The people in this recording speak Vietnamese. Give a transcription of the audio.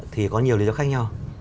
thì có nhiều lý do khác nhau